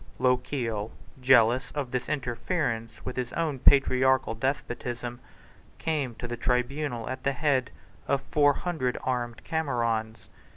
Lochiel, jealous of this interference with his own patriarchal despotism, came to the tribunal at the head of four hundred armed Camerons.